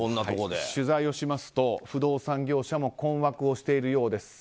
取材をしますと不動産業者も困惑をしているようです。